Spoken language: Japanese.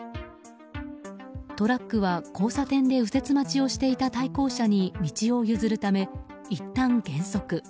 トラックは、交差点で右折待ちをしていた対向車に道を譲るため、いったん減速。